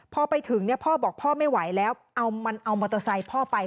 พอไปถึงพ่อบอกพ่อไม่ไหวแล้วเอามันเอามอเตอร์ไซค์พ่อไป